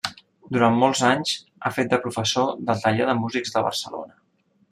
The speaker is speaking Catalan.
Durant molts anys ha fet de professor del Taller de Músics de Barcelona.